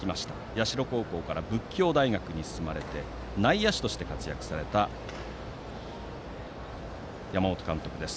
社高校から佛教大学に進まれて内野手として活躍された山本監督です。